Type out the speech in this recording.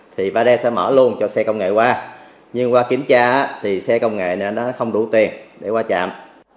thì ba d sẽ mở luôn cho xe công nghệ qua nhưng qua kiểm tra thì xe công nghệ nên nó không đủ tiền để qua trạm